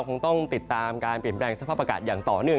คงต้องติดตามการเปลี่ยนแปลงสภาพอากาศอย่างต่อเนื่อง